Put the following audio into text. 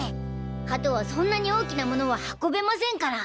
ハトはそんなに大きな物は運べませんから。